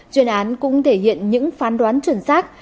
chuyên án cũng thể hiện những phán đoán chuẩn xác